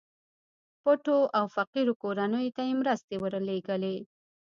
پټو او فقيرو کورنيو ته يې مرستې ورلېږلې.